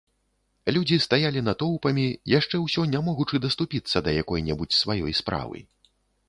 Людзі стаялі натоўпамі, яшчэ ўсё не могучы даступіцца да якой-небудзь сваёй справы.